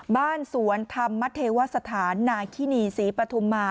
บ้านสวนธรรมัสเทวาสศาลณคินีสีปธิมมา